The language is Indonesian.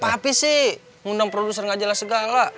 papi sih ngundang produser nggak jelas segala